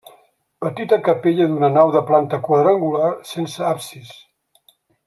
Petita capella d'una nau de planta quadrangular sense absis.